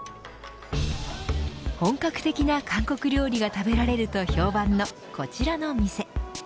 本格的な韓国料理が食べられると評判のこちらの店。